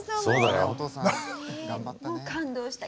感動した。